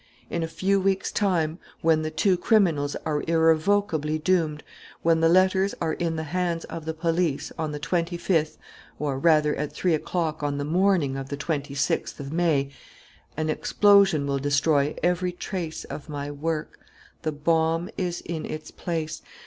In a few weeks' time, when the two criminals are irrevocably doomed, when the letters are in the hands of the police, on the 25th, or, rather, at 3 o'clock on the morning of the 26th of May, an explosion will destroy every trace of my work. The bomb is in its place.